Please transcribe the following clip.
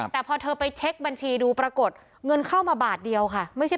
แต่พอเธอไปเช็คบัญชีดูปรากฏเงินเข้ามาบาทเดียวค่ะ